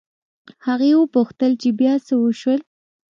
هغې وپوښتل چې بيا څه وشول